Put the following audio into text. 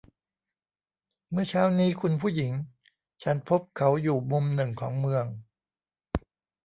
เมื่อเช้านี้คุณผู้หญิง ฉันพบเขาอยู่มุมหนึ่งของเมือง